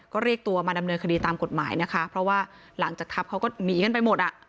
ก็เรียกตัวมาดำเนินคดีตามกฎหมายนะคะเพราะว่าหลังจากทับเขาก็หนีกันไปหมดอ่ะ